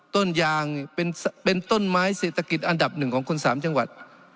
ต้นยางเป็นต้นไม้เศรษฐกิจอันดับหนึ่งของคน๓จังหวัด